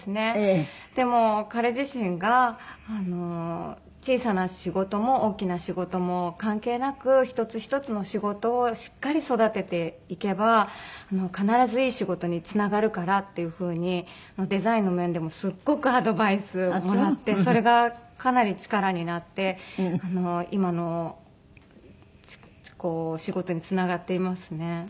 でも彼自身が小さな仕事も大きな仕事も関係なく一つ一つの仕事をしっかり育てていけば必ずいい仕事につながるからっていう風にデザインの面でもすっごくアドバイスをもらってそれがかなり力になって今の仕事につながっていますね。